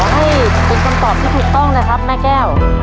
ให้เป็นคำตอบที่ถูกต้องนะครับแม่แก้ว